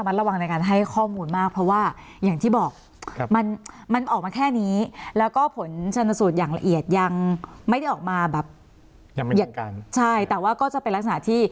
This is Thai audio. ไม่ได้ออกมาแบบยังไม่คลังการใช่แต่ว่าก็จะไปรักษาที่